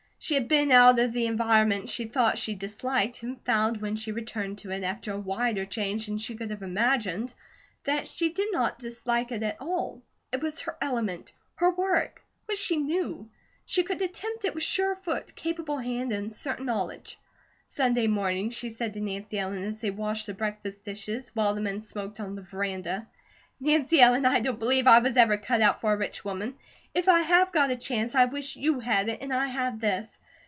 She had been out of the environment she thought she disliked and found when she returned to it after a wider change than she could have imagined, that she did not dislike it at all. It was her element, her work, what she knew. She could attempt it with sure foot, capable hand, and certain knowledge. Sunday morning she said to Nancy Ellen as they washed the breakfast dishes, while the men smoked on the veranda: "Nancy Ellen, I don't believe I was ever cut out for a rich woman! If I have got a chance, I wish YOU had it, and I had THIS.